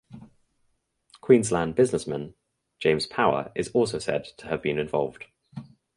Queensland businessman James Power is also said to have been involved.